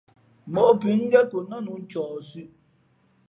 Móʼ pʉ̌ ngén kǒ nά nǔ ncααhsʉ̄ʼ.